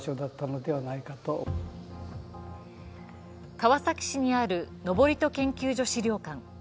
川崎市にある登戸研究所資料館。